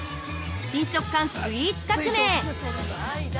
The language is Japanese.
新食感スイーツ革命。